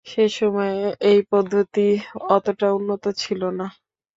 সে সময়ে এই পদ্ধতি অতটা উন্নত ছিল না।